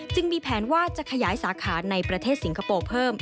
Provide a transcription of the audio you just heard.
มีแผนว่าจะขยายสาขาในประเทศสิงคโปร์เพิ่ม